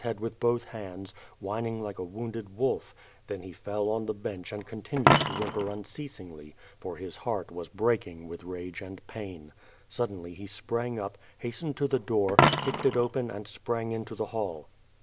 head with both hands, u'hinin;r like a wounded wolf; then he fell on the bench and continued to whinifK^r uncea>iin^ly, for his heart was break ing with ra^e and pain. Suddenly he sprang up, hastened to the dc>or, kicked! it o[X'n and sprang into the hall.